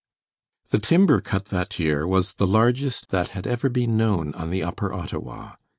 The timber cut that year was the largest that had ever been known on the Upper Ottawa.